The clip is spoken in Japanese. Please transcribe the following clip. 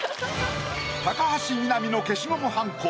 高橋みなみの消しゴムはんこ